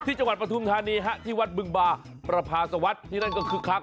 ที่จังหวัดประธุมธานีฮะที่วัดบึงบาประภาสวรรคที่นั่นก็คึกคลัก